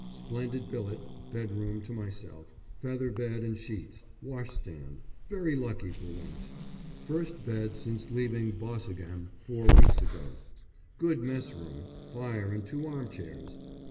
Splendid billet bedroom to myself, feather bed and sheets, wash stand; very lucky for once. First bed since leaving Boseghem four weeks ago. Good mess room, fire and two arm chairs.